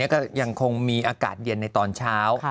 ก็ยังคงมีอากาศเย็นในตอนเช้า